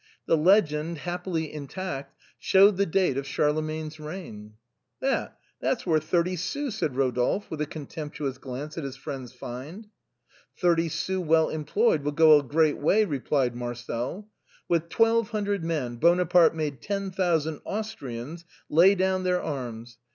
The legend, happily intact, showed the date of Charlemagne's reign. A CARLOVINGIAN COIN. 69 " That, that's worth thirty sous," said Eodolphe, with a contemptuous glance at his friend's find. " Thirty sous well employed will go a great way," re plied Marcel. " With twelve hundred men Bonaparte made ten thousand Austrians lay down their arms.